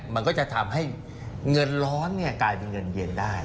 มันก็จะทำให้เงินร้อนกลายเป็นเงินเย็นได้